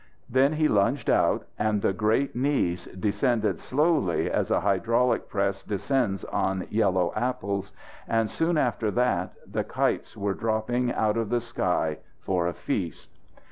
Then he lunged out, and the great knees descended slowly, as a hydraulic press descends on yellow apples. And soon after that the kites were dropping out of the sky for a feast.